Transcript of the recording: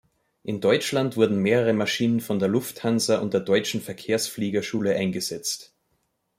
In Deutschland wurden mehrere Maschinen von der Lufthansa und der Deutschen Verkehrsfliegerschule eingesetzt.